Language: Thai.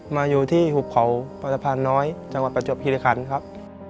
มาอยู่ที่หุบเขาประตภน้อยจังหวัดประจวบฮิริคันครับ